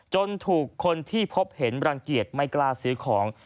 จนถูกคนที่พบเห็นรังเกียจไม่กล้าซื้อของ